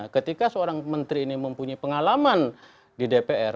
ketika seorang menteri ini mempunyai pengalaman di dpr